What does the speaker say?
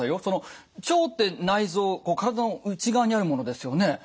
その腸って内臓体の内側にあるものですよね。